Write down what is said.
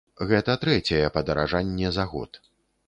Гэта трэцяе падаражанне за год.